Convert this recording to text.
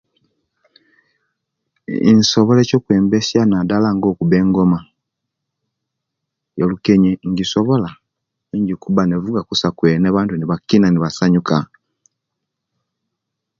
Insobola ekyokwembesia nadala nga okubba emgoma eyolukenye injisobola ninjikuba nevuga kusa kweena abantu nebakina ne'basanyuka